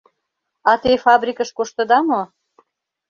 — А те фабрикыш коштыда мо?